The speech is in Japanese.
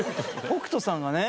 北斗さんがね